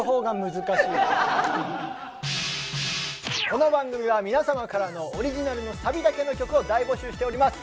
この番組は皆様からのオリジナルのサビだけの曲を大募集しております！